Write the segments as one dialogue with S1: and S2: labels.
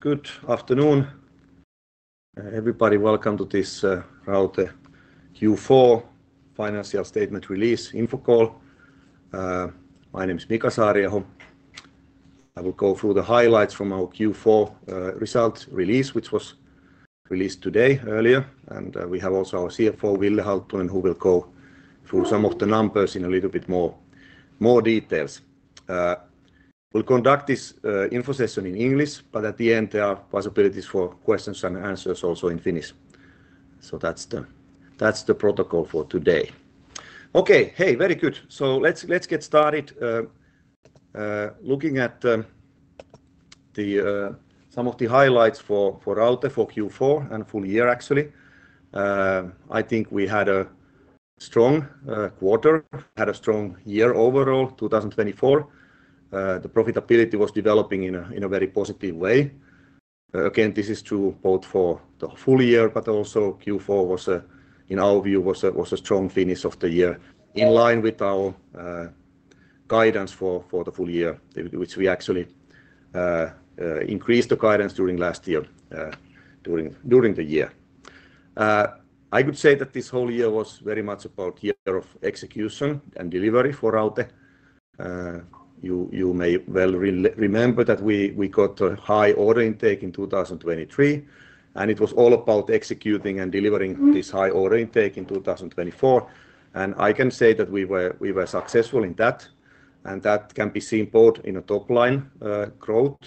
S1: Good afternoon, everybody. Welcome to this Raute Q4 Financial Statement Release Info Call. My name is Mika Saariaho. I will go through the highlights from our Q4 results release, which was released today earlier. We have also our CFO, Ville Halttunen, who will go through some of the numbers in a little bit more detail. We'll conduct this info session in English, but at the end, there are possibilities for questions and answers also in Finnish. That is the protocol for today. Okay, hey, very good. Let's get started looking at some of the highlights for Raute for Q4 and Full Year, actually. I think we had a strong quarter, had a strong year overall, 2024. The profitability was developing in a very positive way. Again, this is true both for the full year, but also Q4 was, in our view, a strong finish of the year, in line with our guidance for the full year, which we actually increased the guidance during last year, during the year. I could say that this whole year was very much about a year of execution and delivery for Raute. You may well remember that we got a high order intake in 2023, and it was all about executing and delivering this high order intake in 2024. I can say that we were successful in that, and that can be seen both in a top-line growth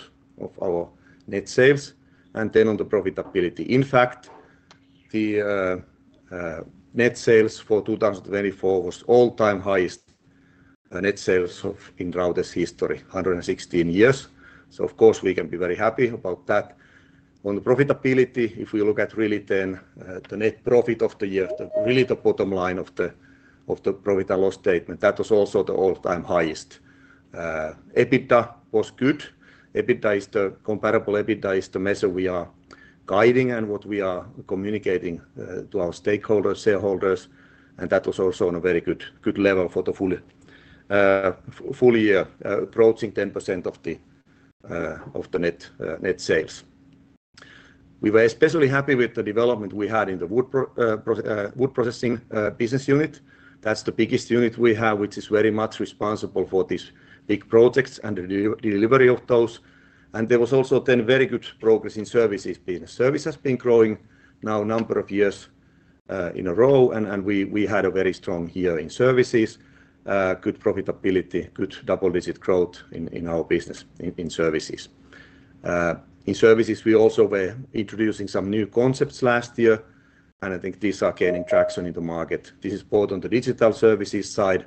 S1: of our net sales and then on the profitability. In fact, the net sales for 2024 was all-time highest net sales in Raute's history, 116 years. Of course, we can be very happy about that. On the profitability, if we look at really then the net profit of the year, really the bottom line of the profit and loss statement, that was also the all-time highest. EBITDA was good. EBITDA is the comparable EBITDA is the measure we are guiding and what we are communicating to our stakeholders, shareholders, and that was also on a very good level for the full year approaching 10% of the net sales. We were especially happy with the development we had in the Wood Processing business unit. That's the biggest unit we have, which is very much responsible for these big projects and the delivery of those. There was also then very good progress in Services. Business Service has been growing now a number of years in a row, and we had a very strong year in Services, good profitability, good double-digit growth in our business in Services. In Services, we also were introducing some new concepts last year, and I think these are gaining traction in the market. This is both on the digital Services side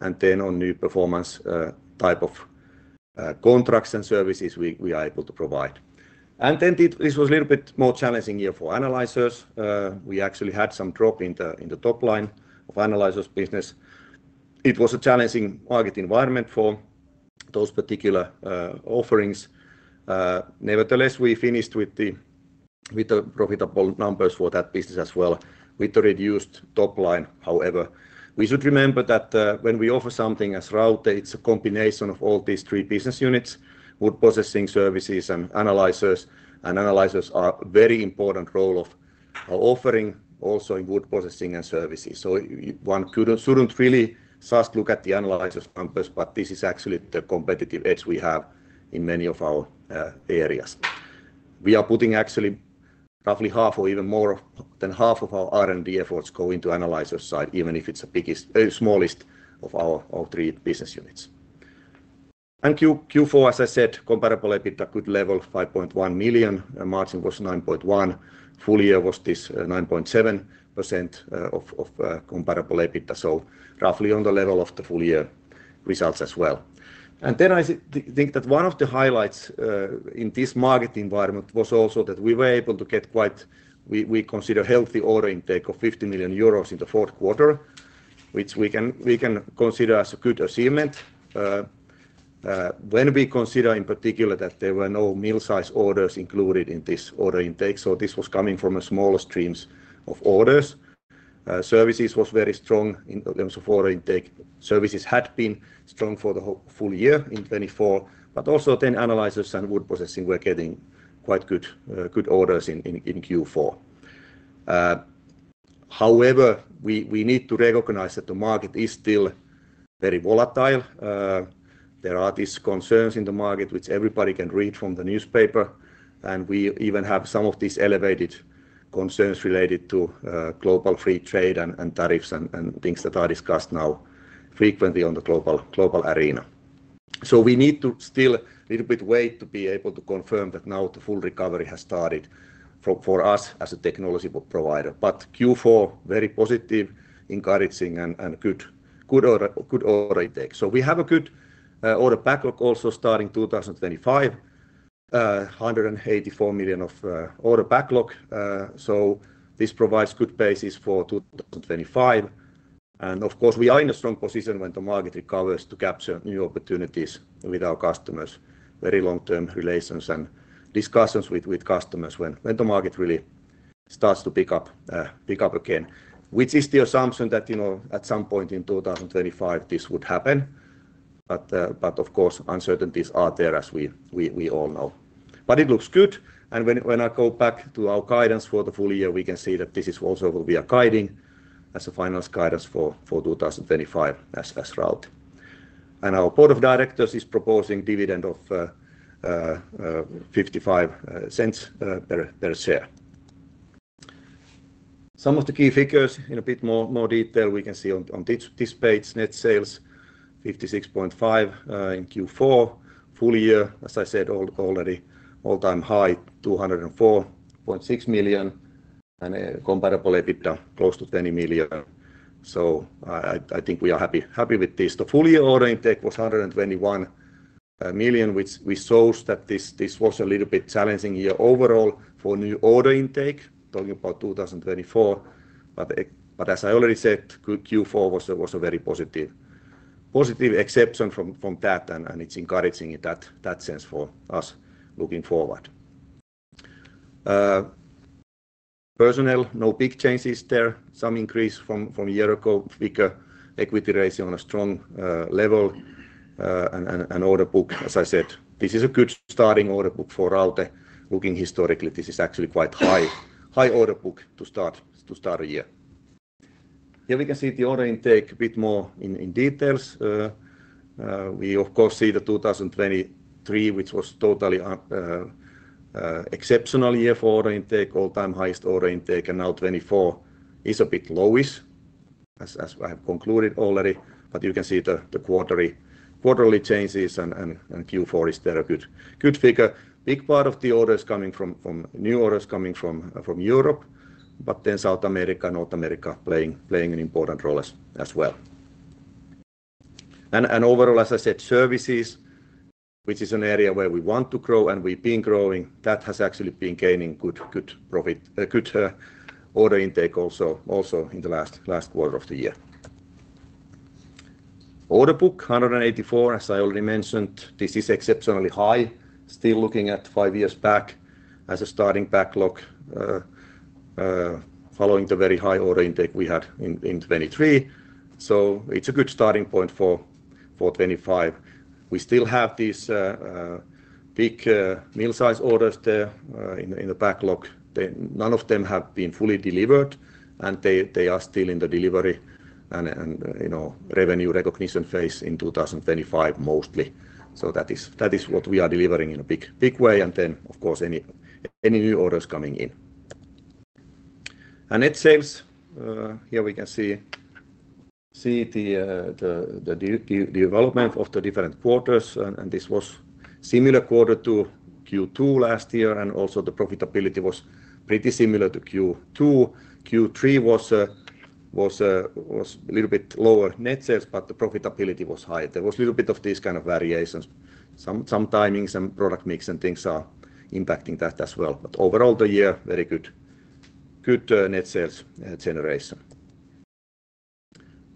S1: and then on new performance type of contracts and Services we are able to provide. This was a little bit more challenging year for Analyzers. We actually had some drop in the top line of Analyzers' business. It was a challenging market environment for those particular offerings. Nevertheless, we finished with the profitable numbers for that business as well with the reduced top line. However, we should remember that when we offer something as Raute, it's a combination of all these three business units, Wood Processing, Services, and Analyzers, and Analyzers are a very important role of offering also in Wood Processing and Services. One shouldn't really just look at the Analyzers' numbers, but this is actually the competitive edge we have in many of our areas. We are putting actually roughly half or even more than half of our R&D efforts go into Analyzers' side, even if it's the smallest of our three business units. Q4, as I said, comparable EBITDA, good level, 5.1 million. The margin was 9.1%. Full year was this 9.7% of comparable EBITDA, so roughly on the level of the full year results as well. I think that one of the highlights in this market environment was also that we were able to get quite, we consider, healthy order intake of 50 million euros in the fourth quarter, which we can consider as a good achievement. When we consider in particular that there were no mill-size orders included in this order intake, this was coming from smaller streams of orders. Services was very strong in terms of order intake. Services had been strong for the full year in 2024, but also then Analyzers and Wood Processing were getting quite good orders in Q4. However, we need to recognize that the market is still very volatile. There are these concerns in the market, which everybody can read from the newspaper, and we even have some of these elevated concerns related to global free trade and tariffs and things that are discussed now frequently on the global arena. We need to still a little bit wait to be able to confirm that now the full recovery has started for us as a technology provider. Q4, very positive, encouraging and good order intake. We have a good order backlog also starting 2025, 184 million of order backlog. This provides good basis for 2025. Of course, we are in a strong position when the market recovers to capture new opportunities with our customers, very long-term relations and discussions with customers when the market really starts to pick up again, which is the assumption that at some point in 2025 this would happen. Of course, uncertainties are there as we all know. It looks good. When I go back to our guidance for the full year, we can see that this is also what we are guiding as a finance guidance for 2025 as Raute. Our Board of Directors is proposing dividend of 0.55 per share. Some of the key figures in a bit more detail we can see on this page, net sales, 56.5 million in Q4, full year, as I said already, all-time high, 204.6 million, and comparable EBITDA, close to 20 million. I think we are happy with this. The full year order intake was 121 million, which shows that this was a little bit challenging year overall for new order intake, talking about 2024. As I already said, Q4 was a very positive exception from that, and it's encouraging in that sense for us looking forward. Personnel, no big changes there, some increase from a year ago, bigger equity ratio on a strong level, and order book, as I said, this is a good starting order book for Raute. Looking historically, this is actually quite a high order book to start a year. Here we can see the order intake a bit more in details. We, of course, see the 2023, which was totally an exceptional year for order intake, all-time highest order intake, and now 2024 is a bit lowish, as I have concluded already. You can see the quarterly changes and Q4 is there a good figure. Big part of the orders coming from new orders coming from Europe, but South America and North America playing an important role as well. Overall, as I said, Services, which is an area where we want to grow and we've been growing, that has actually been gaining good order intake also in the last quarter of the year. Order book, 184 million, as I already mentioned, this is exceptionally high, still looking at five years back as a starting backlog following the very high order intake we had in 2023. It is a good starting point for 2025. We still have these big mill-size orders there in the backlog. None of them have been fully delivered, and they are still in the delivery and revenue recognition phase in 2025 mostly. That is what we are delivering in a big way, and then, of course, any new orders coming in. Net sales, here we can see the development of the different quarters, and this was a similar quarter to Q2 last year, and also the profitability was pretty similar to Q2. Q3 was a little bit lower net sales, but the profitability was higher. There was a little bit of these kind of variations. Sometimes some product mix and things are impacting that as well. Overall, the year, very good net sales generation.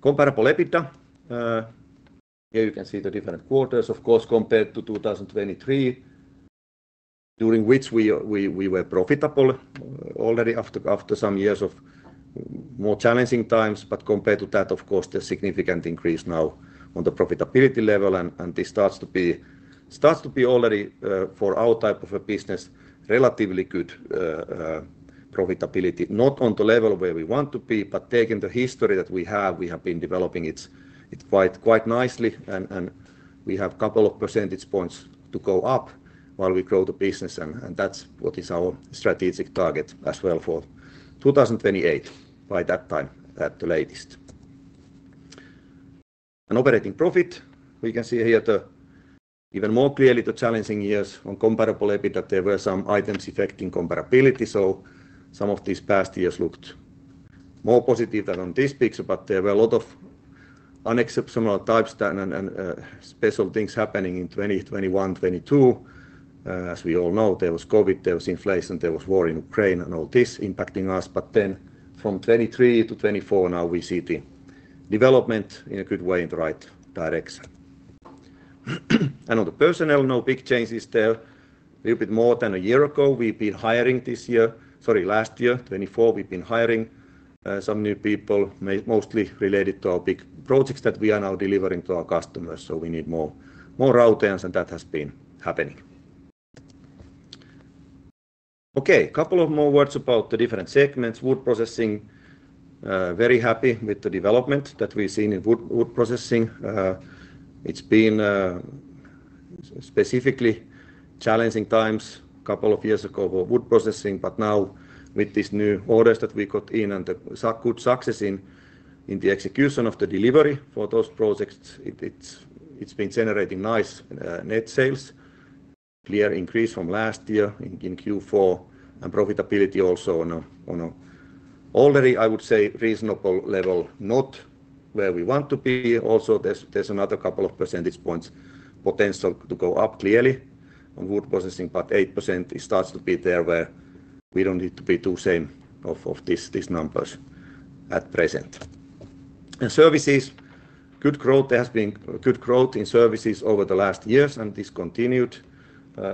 S1: Comparable EBITDA, here you can see the different quarters, of course, compared to 2023, during which we were profitable already after some years of more challenging times. Compared to that, of course, there is a significant increase now on the profitability level, and this starts to be already for our type of a business relatively good profitability, not on the level where we want to be, but taking the history that we have, we have been developing it quite nicely, and we have a couple of percentage points to go up while we grow the business, and that is what is our strategic target as well for 2028 by that time at the latest. Operating profit, we can see here even more clearly the challenging years on comparable EBITDA. There were some items affecting comparability, so some of these past years looked more positive than on this picture, but there were a lot of unexceptional types and special things happening in 2021, 2022. As we all know, there was COVID, there was inflation, there was war in Ukraine, and all this impacting us. From 2023 to 2024, now we see the development in a good way in the right direction. On the personnel, no big changes there. A little bit more than a year ago, we've been hiring this year, sorry, last year, 2024, we've been hiring some new people, mostly related to our big projects that we are now delivering to our customers. We need more at Raute and that has been happening. Okay, a couple of more words about the different segments. Wood processing, very happy with the development that we've seen in Wood Processing. It's been specifically challenging times a couple of years ago for Wood Processing, but now with these new orders that we got in and the good success in the execution of the delivery for those projects, it's been generating nice net sales, clear increase from last year in Q4, and profitability also on an already, I would say, reasonable level, not where we want to be. Also, there's another couple of percentage points potential to go up clearly on Wood Processing, but 8% starts to be there where we don't need to be too same of these numbers at present. Services, good growth, there has been good growth in Services over the last years, and this continued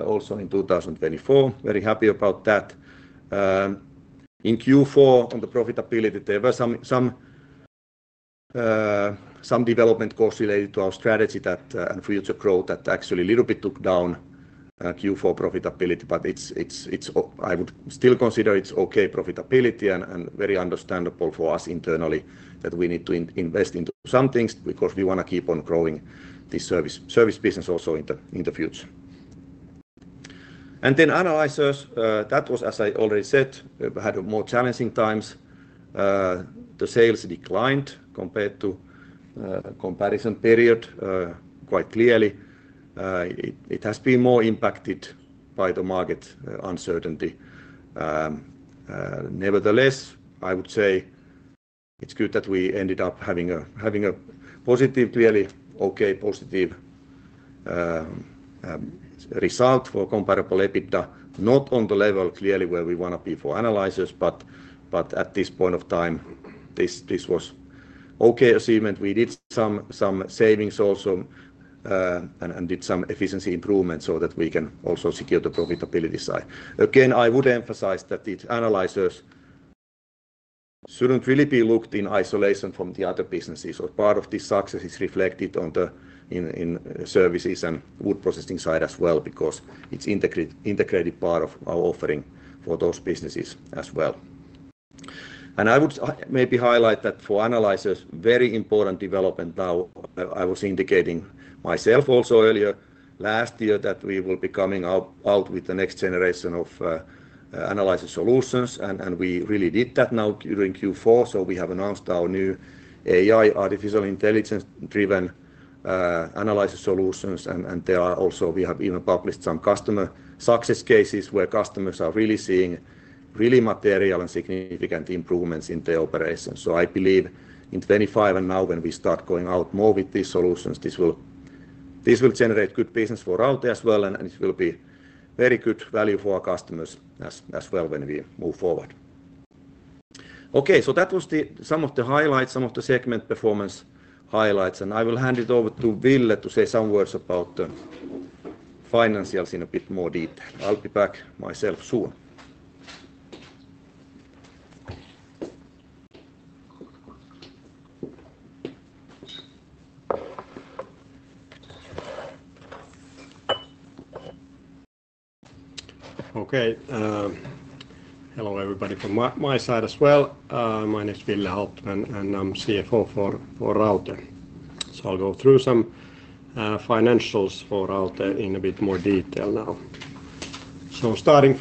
S1: also in 2024. Very happy about that. In Q4, on the profitability, there were some development costs related to our strategy and future growth that actually a little bit took down Q4 profitability, but I would still consider it's okay profitability and very understandable for us internally that we need to invest into some things because we want to keep on growing this Service business also in the future. Then Analyzers, that was, as I already said, had more challenging times. The sales declined compared to comparison period quite clearly. It has been more impacted by the market uncertainty. Nevertheless, I would say it's good that we ended up having a positive, clearly okay, positive result for comparable EBITDA, not on the level clearly where we want to be for Analyzers, but at this point of time, this was okay achievement. We did some savings also and did some efficiency improvement so that we can also secure the profitability side. I would emphasize that these Analyzers should not really be looked at in isolation from the other businesses, or part of this success is reflected on the Services and Wood Processing side as well because it is an integrated part of our offering for those businesses as well. I would maybe highlight that for Analyzers, very important development now. I was indicating myself also earlier last year that we will be coming out with the next generation of analyzer solutions, and we really did that now during Q4. We have announced our new AI-driven analyzer solutions, and there are also, we have even published some customer success cases where customers are really seeing really material and significant improvements in their operations. I believe in 2025 and now when we start going out more with these solutions, this will generate good business for Raute as well, and it will be very good value for our customers as well when we move forward. Okay, that was some of the highlights, some of the segment performance highlights, and I will hand it over to Ville to say some words about the financials in a bit more detail. I'll be back myself soon.
S2: Okay, hello everybody from my side as well. My name is Ville Halttunen, and I'm CFO for Raute. I'll go through some financials for Raute in a bit more detail now. Starting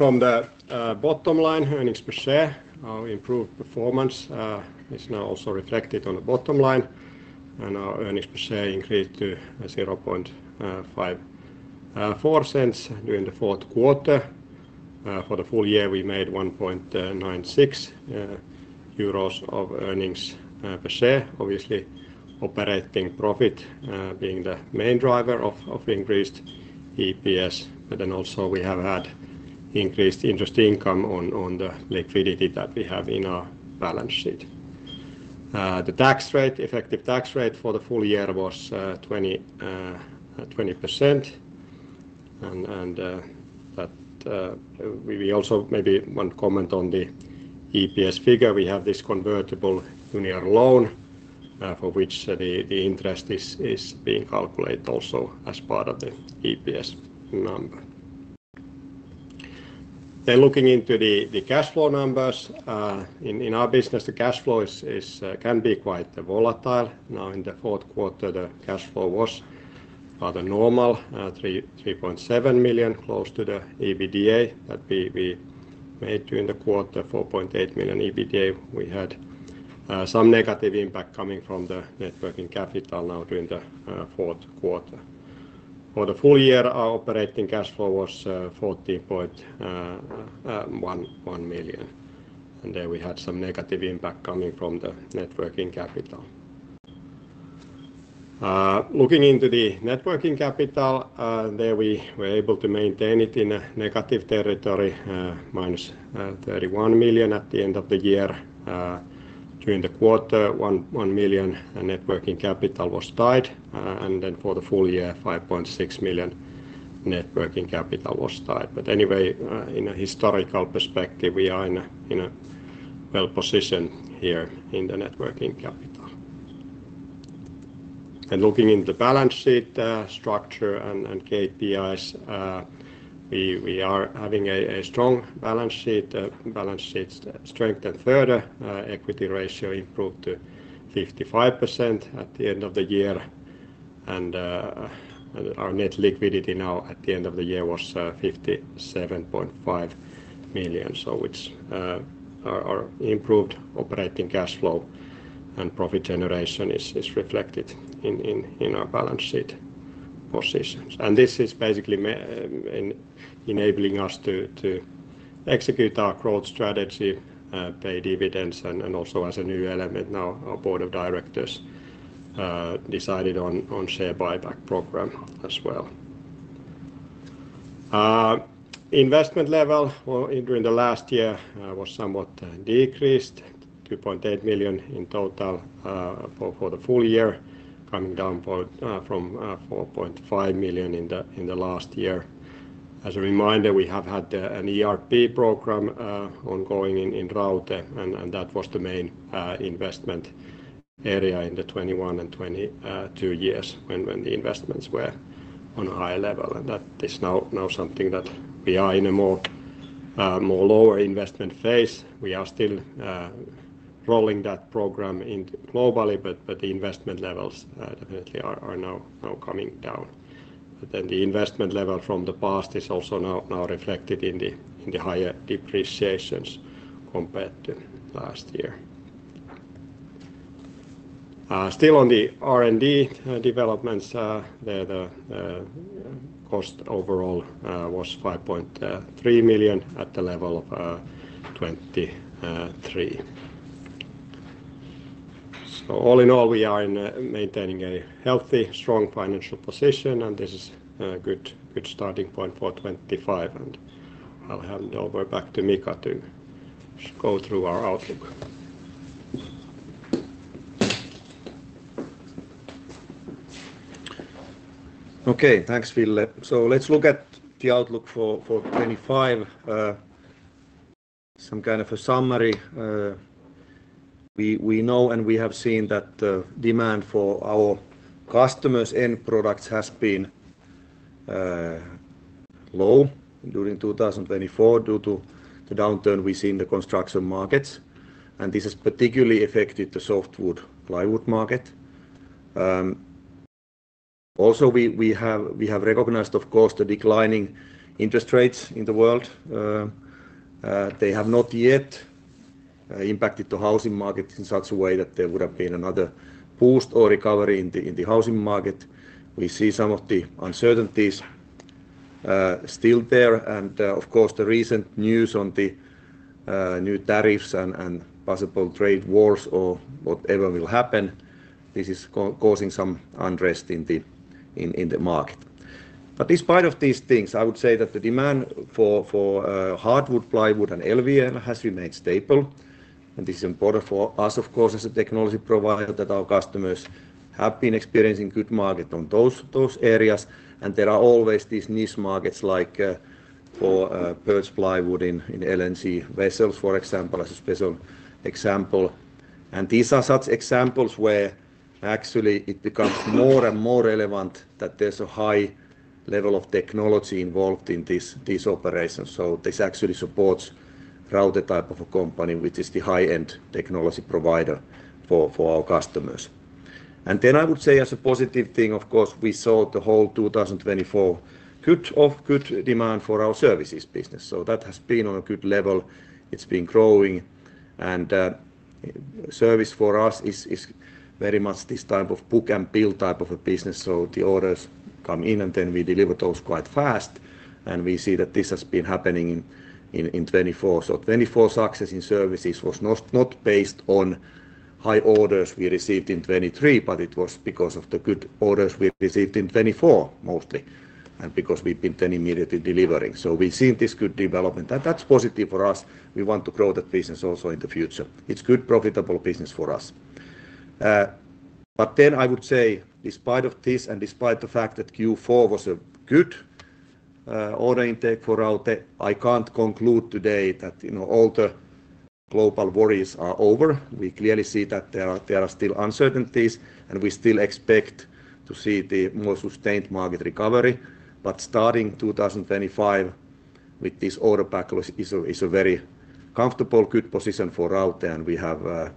S2: from the bottom line, earnings per share improved performance is now also reflected on the bottom line, and our earnings per share increased to EUR 0.54 during the fourth quarter. For the full year, we made EUR 1.96 of earnings per share, obviously operating profit being the main driver of increased EPS, but then also we have had increased interest income on the liquidity that we have in our balance sheet. The effective tax rate for the full year was 20%, and that we also maybe want to comment on the EPS figure. We have this convertible junior loan for which the interest is being calculated also as part of the EPS number. Now looking into the cash flow numbers in our business, the cash flow can be quite volatile. In the fourth quarter, the cash flow was rather normal, 3.7 million, close to the EBITDA that we made during the quarter, 4.8 million EBITDA. We had some negative impact coming from the net working capital now during the fourth quarter. For the Full Year, our operating cash flow was 14.1 million, and there we had some negative impact coming from the working capital. Looking into the working capital, there we were able to maintain it in a negative territory, minus 31 million at the end of the year. During the quarter, 1 million working capital was tied, and then for the full year, 5.6 million working capital was tied. In a historical perspective, we are in a well-positioned year in the working capital. Looking into the balance sheet structure and KPIs, we are having a strong balance sheet, balance sheet strengthened further. Equity ratio improved to 55% at the end of the year, and our net liquidity now at the end of the year was 57.5 million. Our improved operating cash flow and profit generation is reflected in our balance sheet positions. This is basically enabling us to execute our growth strategy, pay dividends, and also as a new element now, our Board of Directors decided on a share buyback program as well. Investment level during the last year was somewhat decreased, 2.8 million in total for the full year, coming down from 4.5 million in the last year. As a reminder, we have had an ERP program ongoing in Raute, and that was the main investment area in the 2021 and 2022 years when the investments were on a high level. That is now something that we are in a more lower investment phase. We are still rolling that program globally, but the investment levels definitely are now coming down. The investment level from the past is also now reflected in the higher depreciations compared to last year. Still on the R&D developments, the cost overall was 5.3 million at the level of 2023. All in all, we are maintaining a healthy, strong financial position, and this is a good starting point for 2025. I'll hand over back to Mika to go through our outlook.
S1: Okay, thanks Ville. Let's look at the outlook for 2025, some kind of a summary. We know and we have seen that the demand for our customers' end products has been low during 2024 due to the downturn we see in the construction markets, and this has particularly affected the softwood plywood market. Also, we have recognized, of course, the declining interest rates in the world. They have not yet impacted the housing market in such a way that there would have been another boost or recovery in the housing market. We see some of the uncertainties still there, and of course, the recent news on the new tariffs and possible trade wars or whatever will happen, this is causing some unrest in the market. Despite these things, I would say that the demand for hardwood plywood and LVL has remained stable, and this is important for us, of course, as a technology provider that our customers have been experiencing good market on those areas. There are always these niche markets like for birch plywood in LNG vessels, for example, as a special example. These are such examples where actually it becomes more and more relevant that there's a high level of technology involved in these operations. This actually supports Raute type of a company, which is the high-end technology provider for our customers. I would say as a positive thing, of course, we saw the whole 2024 good demand for our Services business. That has been on a good level. It's been growing, and Service for us is very much this type of book and bill type of a business. The orders come in, and then we deliver those quite fast, and we see that this has been happening in 2024. The 2024 success in Services was not based on high orders we received in 2023, but it was because of the good orders we received in 2024 mostly, and because we've been then immediately delivering. We've seen this good development, and that's positive for us. We want to grow that business also in the future. It's a good profitable business for us. I would say, despite this and despite the fact that Q4 was a good order intake for Raute, I can't conclude today that all the global worries are over. We clearly see that there are still uncertainties, and we still expect to see the more sustained market recovery. Starting 2025 with this order backlog is a very comfortable good position for Raute, and we have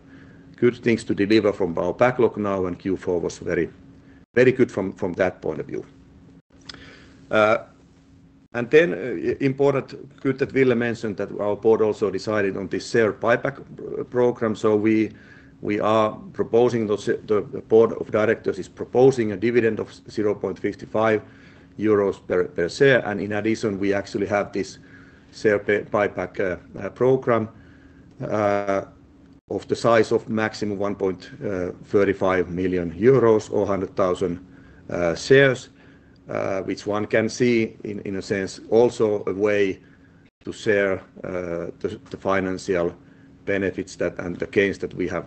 S1: good things to deliver from our backlog now. Q4 was very good from that point of view. Important good that Ville mentioned that our board also decided on this share buyback program. We are proposing the Board of Directors is proposing a dividend of 0.55 euros per share, and in addition, we actually have this share buyback program of the size of maximum 1.35 million euros or 100,000 shares, which one can see in a sense also a way to share the financial benefits and the gains that we have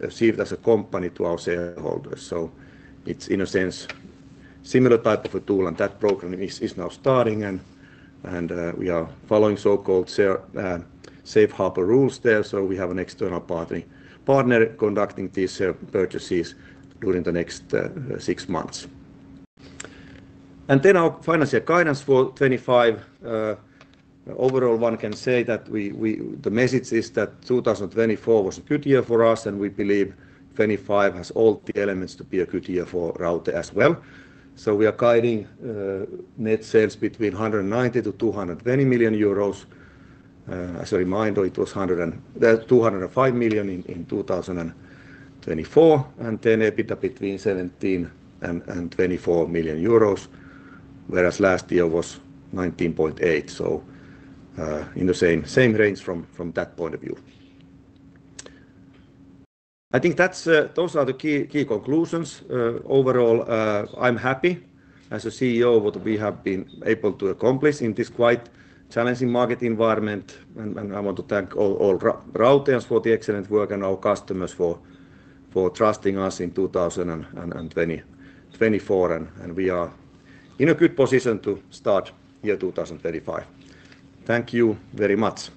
S1: received as a company to our shareholders. It is in a sense a similar type of a tool, and that program is now starting, and we are following so-called safe harbor rules there. We have an external partner conducting these purchases during the next six months. Our financial guidance for 2025, overall one can say that the message is that 2024 was a good year for us, and we believe 2025 has all the elements to be a good year for Raute as well. We are guiding net sales between 190 million and 220 million euros. As a reminder, it was 205 million in 2024, and then EBITDA between 17 million and 24 million euros, whereas last year was 19.8 million. In the same range from that point of view. I think those are the key conclusions. Overall, I am happy as CEO with what we have been able to accomplish in this quite challenging market environment, and I want to thank all Rauteans for the excellent work and our customers for trusting us in 2024, and we are in a good position to start year 2025. Thank you very much.